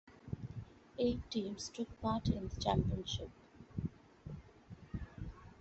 Eight teams took part in the championship.